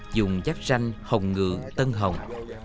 dùng chắc danh hồng ngự tân hồng